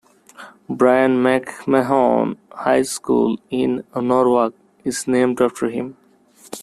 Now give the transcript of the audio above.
Brien McMahon High School, in Norwalk, is named after him.